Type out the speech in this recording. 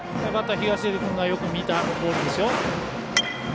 東出君がよく見たボールですよ。